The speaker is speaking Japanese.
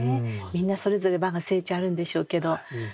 みんなそれぞれわが聖地あるんでしょうけど。